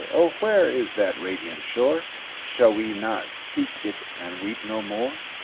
oh, where is that radiant shore? Shall we not seek it and weep no more?